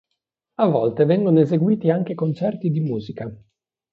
A volte vengono eseguiti anche concerti di musica.